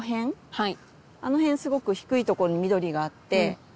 はい。